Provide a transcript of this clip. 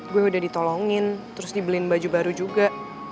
gue udah ditolongin terus dibeliin baju baru juga